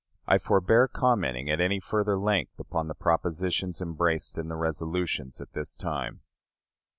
I forbear commenting at any further length upon the propositions embraced in the resolutions at this time.